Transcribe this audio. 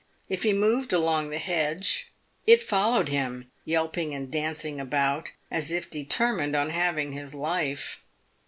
If he moved along the hedge, it followed him, yelping and dancing about, as if determined on having his life.